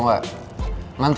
nanti aja ratusan meter